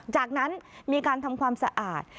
จากนั้นมีการทำความสะอาด